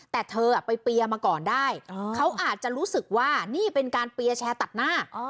แต่เธอไปเปียร์มาก่อนได้เขาอาจจะรู้สึกว่านี่เป็นการเปียร์แชร์ตัดหน้า